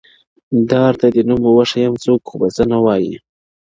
دار ته دي نوم وښیم څوک خو به څه نه وايي -